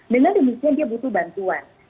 dengan demikian dia butuh bantuan